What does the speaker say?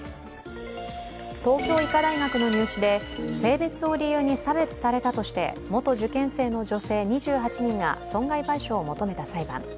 東京医科大学の入試で性別を理由に差別されたとして、元受験生の女性２８人が損害賠償を求めた裁判。